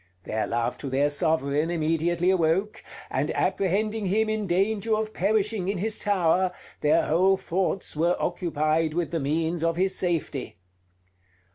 Their love to their sovereign immediately awoke; and apprehending him in danger of perishing in his tower, their whole thoughts were occupied with the means of his safety.